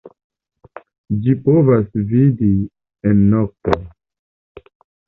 Ĝi povas vidi en nokto.